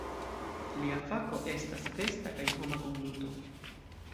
Lia fako estas besta kaj homa konduto.